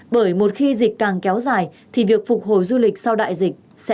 bởi một khi dịch càng kéo dài thì việc phục hồi du lịch sau đại dịch sẽ càng gặp khó khăn